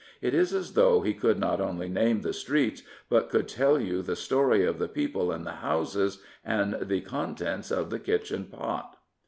It is as though he could not only name the streets, but could tell you the story of the people in the houses, and the contents of the kitchen pot.